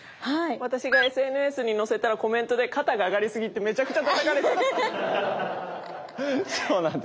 私がＳＮＳに載せたらコメントで「肩が上がりすぎ」ってめちゃくちゃたたかれたの。